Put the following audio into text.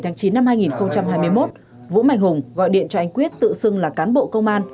ngày chín hai nghìn hai mươi một vũ mạnh hùng gọi điện cho anh quyết tự xưng là cán bộ công an